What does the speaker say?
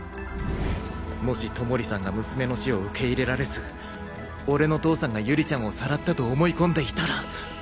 もし外守さんが娘の死を受け入れられず俺の父さんが有里ちゃんをさらったと思い込んでいたら。